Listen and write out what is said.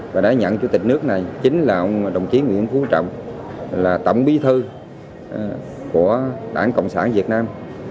và đã nhận chủ tịch nước này chính là ông đồng chí nguyễn phú trọng là tổng bí thư của đảng cộng sản việt nam